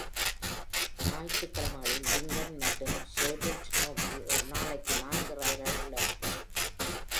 ஞாயிற்றுக்கிழமைகளில் லிங்கன் மற்றும் ஷெஃபீல்ட் நோக்கி ஒரு நாளைக்கு நான்கு ரயில்கள் உள்ளன.